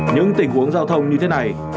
những tình huống giao thông như thế này